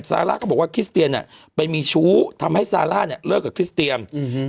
ซาร่าก็บอกว่าคริสเตียนเนี่ยไปมีชู้ทำให้ซาร่าเนี่ยเลิกกับคริสเตียม